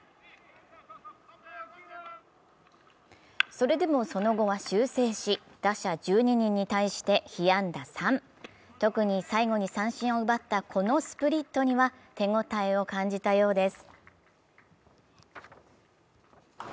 それでも、その後は修正し、打者１２人に対して被安打３。特に最後に三振を奪ったこのスプリットには手応えを感じたようです。